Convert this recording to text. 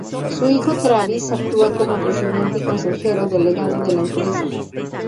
Su hijo, Travis actúa como presidente y consejero delegado de la empresa.